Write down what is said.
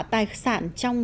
tài sản trong